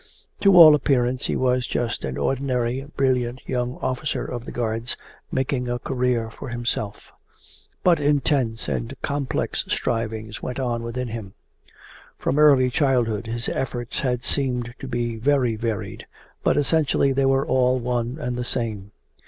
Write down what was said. To all appearance he was just an ordinary, brilliant young officer of the Guards making a career for himself; but intense and complex strivings went on within him. From early childhood his efforts had seemed to be very varied, but essentially they were all one and the same.